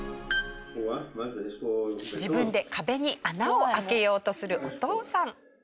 自分で壁に穴を開けようとするお父さん。